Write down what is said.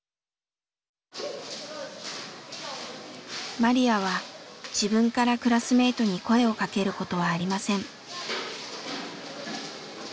マリヤは自分からクラスメートに声をかけることはありません。